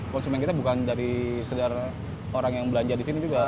konsumen kita bukan dari sedara orang yang belanja disini juga